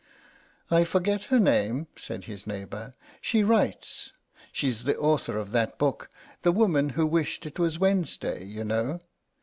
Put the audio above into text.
"I forget her name," said his neighbour; "she writes. She's the author of that book, 'The Woman who wished it was Wednesday,' you know.